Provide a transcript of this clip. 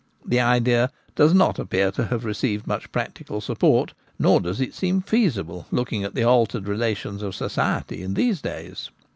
The idea does not appear to have received much practical support, nor does it seem feasible looking at the altered relations of society in these days.